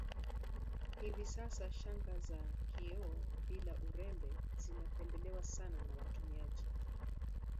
Hivi sasa shanga za kioo bila urembe zinapendelewa sana na watumiaji